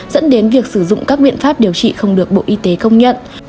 dẫn đến việc sử dụng các biện pháp điều trị không được bộ y tế công nhận